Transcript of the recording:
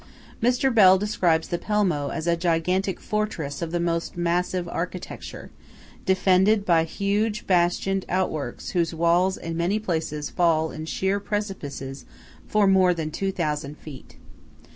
Mr. Bell describes the Pelmo as "a gigantic fortress of the most massive architecture, defended by huge bastioned outworks whose walls in many places fall in sheer precipices for more than 2000 feet."